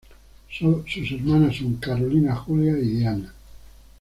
Sus hermanas son Carolina, Julia, y Diana.